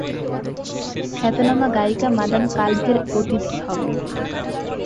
খ্যাতনামা গায়িকা মাদাম কালভের অতিথি হব।